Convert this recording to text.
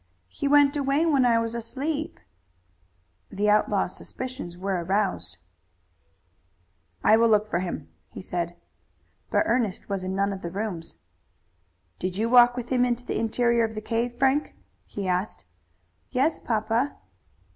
"He went away when I was asleep." The outlaw's suspicions were aroused. "I will look for him," he said. But Ernest was in none of the rooms. "Did you walk with him into the interior of the cave, Frank?" he asked. "Yes, papa."